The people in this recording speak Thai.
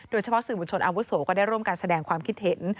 โดยเฉพาะสื่อมนต์ชนอาวุศโศก็ได้ร่วมการแสดงความคิดเห็น